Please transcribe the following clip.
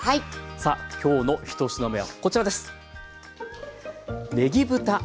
さあ今日の１品目はこちらです。